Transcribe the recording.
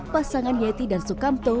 pasangan yeti dan sukamto